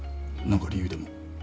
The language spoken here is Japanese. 何か理由でも？